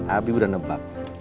abi udah nebak